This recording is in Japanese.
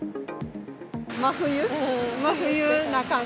真冬。